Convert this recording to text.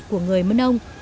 của người mân âu